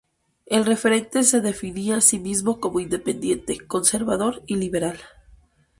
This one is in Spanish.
El referente se definía a sí mismo como independiente, conservador y liberal.